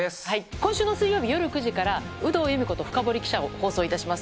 今週水曜日夜９時から、有働由美子とフカボリ記者を放送いたします。